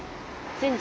神社。